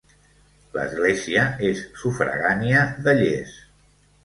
L'església és sufragània de Lles.